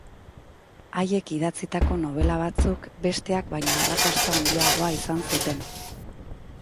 Haiek idatzitako nobela batzuk besteak baino arrakasta handiagoa izan zuten.